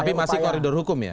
tapi masih koridor hukum ya